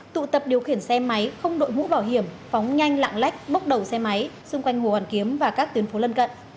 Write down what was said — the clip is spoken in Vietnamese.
tụ tập điều khiển xe máy không đội mũ bảo hiểm phóng nhanh lạng lách bốc đầu xe máy xung quanh hồ hoàn kiếm và các tuyến phố lân cận